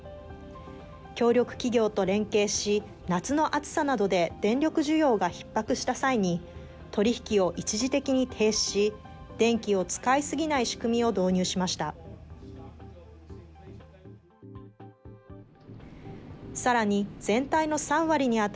協力企業と連携し、夏の暑さなどで電力需要がひっ迫した際に、取り引きを一時的に停止し、電気を使い過ぎない仕組みを導入しました。